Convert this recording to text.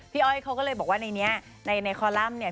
อ้อยเขาก็เลยบอกว่าในนี้ในคอลัมป์เนี่ย